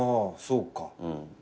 そうか。